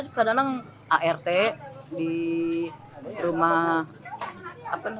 bapak rekaman sebagai apa ibu